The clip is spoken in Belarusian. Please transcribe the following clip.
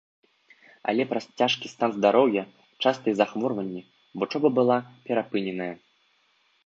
Але праз цяжкі стан здароўя, частыя захворванні вучоба была перапыненая.